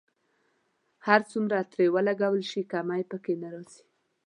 هر څومره ترې ولګول شي کمی په کې نه راځي.